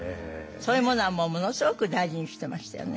そういうものはものすごく大事にしてましたよね。